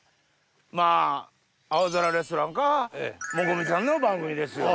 まぁ『青空レストラン』かもこみちさんの番組ですよ。